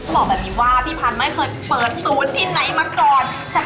บอกแบบนี้ว่าพี่พันธ์ไม่เคยเปิดศูนย์ที่ไหนมาก่อน